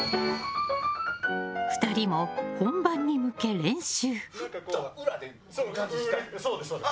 ２人も本番に向け練習。